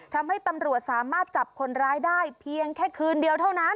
ทำให้ตำรวจสามารถจับคนร้ายได้เพียงแค่คืนเดียวเท่านั้น